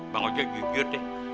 bang ojo jub jub deh